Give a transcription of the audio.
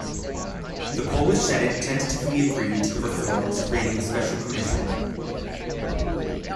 The Polish Senate tentatively agreed to the reforms, creating a special commission.